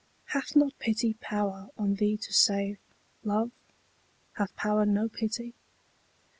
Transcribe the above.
Hath not pity power on thee to save, Love? hath power no pity?